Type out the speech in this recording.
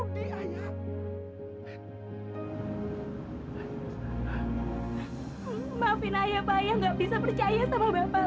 maafin ayah pak ayah gak bisa percaya sama bapak